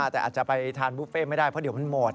แต่อาจจะไปทานบุฟเฟ่ไม่ได้เพราะเดี๋ยวมันหมด